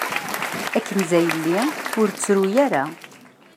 A Kenza a yelli ur ttru-ara.